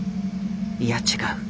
いや違う。